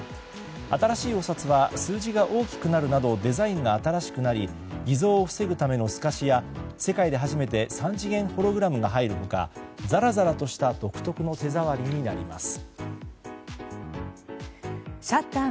新しいお札は数字が大きくなるなどデザインが新しくなり偽造を防ぐための、すかしや世界で初めて３次元ホログラムが入る他ざらざらとした独特な手触りになります。